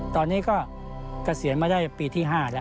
ตอนนี้ก็เกษียณมาได้ปีที่๕แล้ว